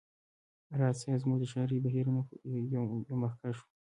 راز صيب زموږ د شعري بهیرونو یو مخکښ و